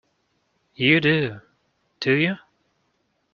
You do, do you?